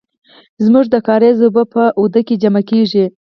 زمونږ د کاریز اوبه په آوده کې جمع کیږي.